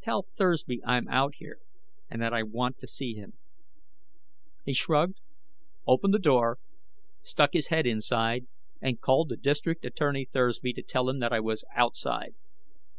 "Tell Thursby I'm out here and that I want to see him." He shrugged, opened the door, stuck his head inside, and called to District Attorney Thursby to tell him that I was outside.